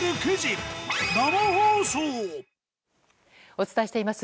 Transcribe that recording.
お伝えしています